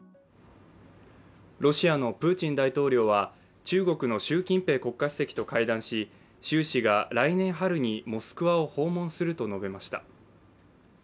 ロシアのプーチン大統領は中国の習近平国家主席と会談し、習氏が来年春にモスクワを訪問すると述べました。